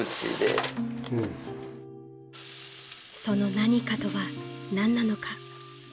［その何かとは何なのか？］